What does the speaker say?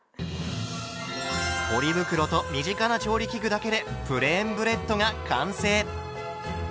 ポリ袋と身近な調理器具だけでプレーンブレッドが完成。